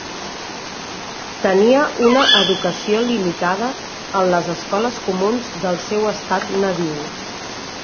Tenia una educació limitada en les escoles comuns del seu estat nadiu.